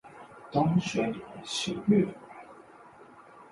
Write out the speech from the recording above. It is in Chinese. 东雪莲是日本人